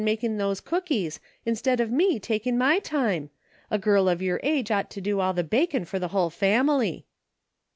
2/5 makin* these cookies, instead of me takin' my time ? A girl of your age ought to do all the bakin' for the hull family."